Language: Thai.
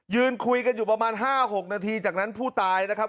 ยืนคุยกันอยู่ประมาณ๕๖นาทีจากนั้นผู้ตายนะครับ